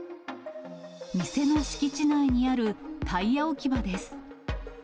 店の敷地内にあるタイヤ置き場です。